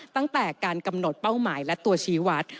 ตั้งแต่การกำหนดเป้าหมายและตัวชี้วัด